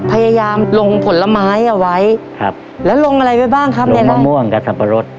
พยายามลงผลไม้เอาไว้ครับแล้วลงอะไรไว้บ้างครับในน้ำมะม่วงกับสับปะรด